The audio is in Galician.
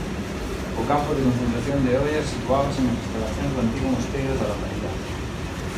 O campo de concentración de Oia situábase nas instalacións do antigo mosteiro da localidade.